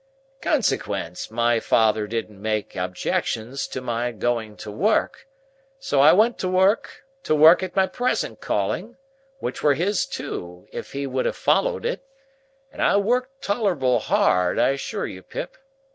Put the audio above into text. "Consequence, my father didn't make objections to my going to work; so I went to work at my present calling, which were his too, if he would have followed it, and I worked tolerable hard, I assure you, Pip.